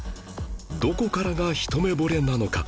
どこからが一目惚れなのか？